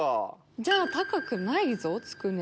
じゃあ高くないぞつくね。